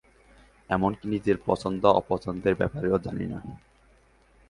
এমনকি নিজের পছন্দ অপছন্দের ব্যপারেও জানি না।